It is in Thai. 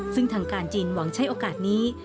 ซึ่งทางการจีนหวังใช้โอกาสนี้